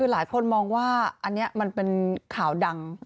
หลายคนมองว่าอันนี้มันเป็นข่าวดัง